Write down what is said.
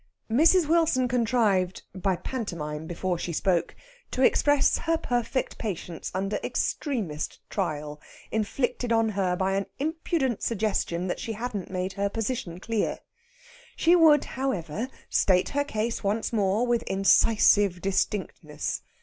Mrs. Wilson contrived, by pantomime before she spoke, to express her perfect patience under extremest trial, inflicted on her by an impudent suggestion that she hadn't made her position clear. She would, however, state her case once more with incisive distinctness.